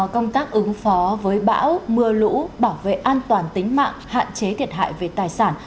công tác ứng phó với bão mưa lũ bảo vệ an toàn tính mạng hạn chế thiệt hại về tài sản